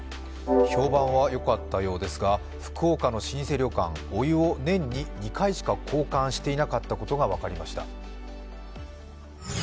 評判はよかったようですが福岡の老舗旅館、お湯を年に２回しか交換していなかったことが分かりました。